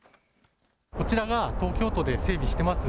こちらが東京都で整備してます